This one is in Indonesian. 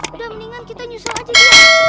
udah mendingan kita nyusul aja deh